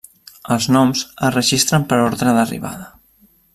Els noms es registren per ordre d'arribada.